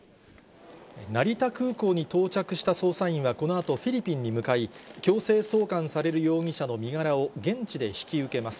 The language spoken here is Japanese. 成田空港に到着した捜査員はこのあとフィリピンに向かい、強制送還される容疑者の身柄を現地で引き受けます。